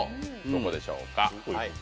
どこでしょうか？